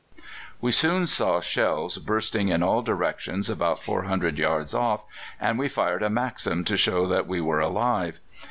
We soon saw shells bursting in all directions about 400 yards off, and we fired a Maxim to show that we were alive.